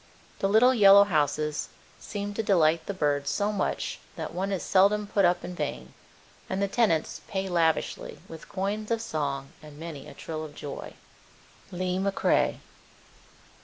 The little yellow houses seem to delight the birds so much that one is seldom put up in vain, and the tenants pay lavishly with coins of song and many a trill of joy. Lee McCrae.